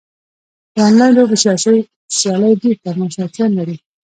د انلاین لوبو سیالۍ ډېر تماشچیان لري.